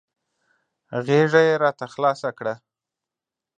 غېږه یې راته خلاصه کړه .